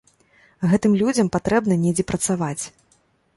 Гэтым людзям патрэбна недзе працаваць.